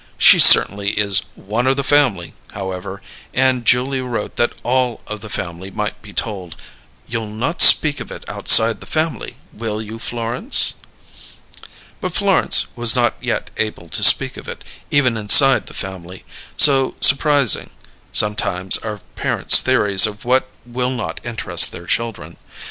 "She certainly is 'one of the family', however, and Julia wrote that all of the family might be told. You'll not speak of it outside the family, will you, Florence?" But Florence was not yet able to speak of it, even inside the family; so surprising, sometimes, are parents' theories of what will not interest their children.